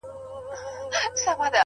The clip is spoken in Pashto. ځوان له ډيري ژړا وروسته څخه ريږدي،